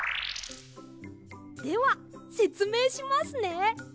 ではせつめいしますね。